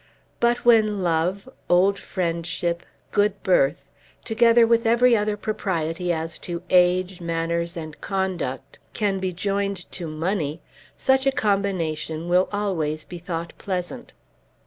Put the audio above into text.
But when love, old friendship, good birth, together with every other propriety as to age, manners, and conduct, can be joined to money, such a combination will always be thought pleasant.